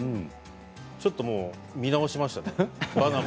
ちょっと見直しました